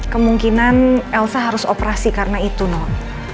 kemungkinan elsa harus operasi karena itu nol